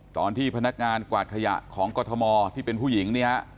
ตอนที่พนักงานกวาดขยะของกฐมอศ์ที่เป็นผู้หญิง